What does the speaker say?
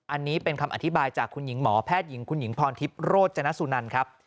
อันนี้เป็นคำอธิบายจากคุณหญิงหมอแพทย์หญิงคุณหญิงพรทิพย์โรจนสุนันครับ